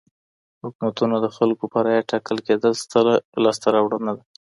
حکومتونه د خلګو په رايه ټاکل کېدل ستره لاسته راوړنه ده.